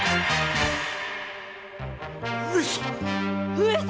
上様！